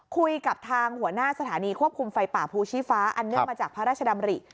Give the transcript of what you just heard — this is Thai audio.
คุยกับทางหัวหน้าสถานีควบคุมไฟป่าภูชีฟ้าอันเนื่องมาจากพระราชดำริ